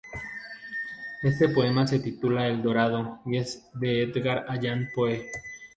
Este poema se titula "El Dorado" y es de Edgar Allan Poe.